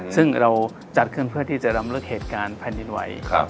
ซึ่งเราจัดขึ้นเพื่อที่จะรำลึกเหตุการณ์แผ่นดินไหว